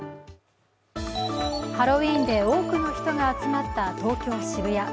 ハロウィーンで多くの人が集まった東京・渋谷。